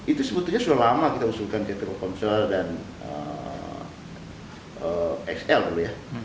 itu sebetulnya sudah lama kita usulkan telekomsel dan xl